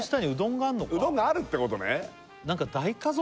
うどんがあるってことね